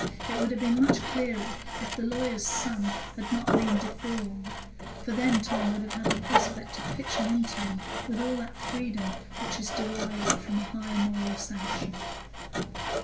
It would have been much clearer if the lawyer's son had not been deformed, for then Tom would have had the prospect of pitching into him with all that freedom which is derived from a high moral sanction.